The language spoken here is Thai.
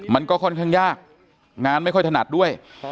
มันก็ค่อนข้างยากงานไม่ค่อยถนัดด้วย